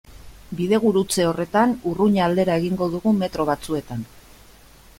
Bidegurutze horretan Urruña aldera egingo dugu metro batzuetan.